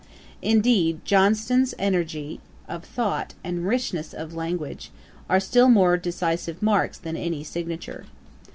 Indeed Johnson's energy of thought and richness of language, are still more decisive marks than any signature.